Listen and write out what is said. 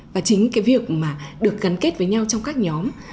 và chính cái việc mà được gắn kết với nhau trong các nhóm